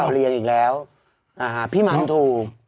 เรียนอีกแล้วพี่มันถูก